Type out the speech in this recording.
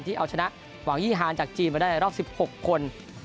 เอาชนะหวังยี่ฮานจากจีนมาได้ในรอบ๑๖คน